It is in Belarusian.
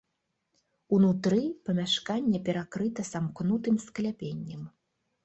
Унутры памяшканне перакрыта самкнутым скляпеннем.